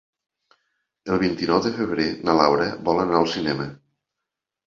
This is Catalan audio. El vint-i-nou de febrer na Laura vol anar al cinema.